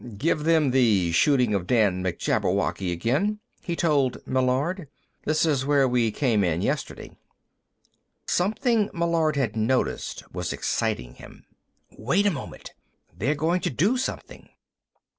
"Give them the Shooting of Dan McJabberwock again," he told Meillard. "This is where we came in yesterday." Something Meillard had noticed was exciting him. "Wait a moment. They're going to do something."